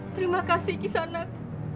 terima kasih kisanak